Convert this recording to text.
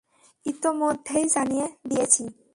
ইতোমধ্যেই জানিয়ে দিয়েছি।